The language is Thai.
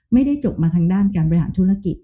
ไม่ได้จบมาทางด้านการบริหารธุรกิจ